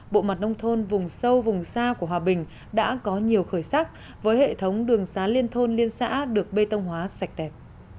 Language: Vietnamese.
bộ mặt nông thôn vùng sâu vùng xa của hòa bình đã có nhiều khởi sắc với hệ thống đường xá liên thôn liên xã được bê tông hóa sạch đẹp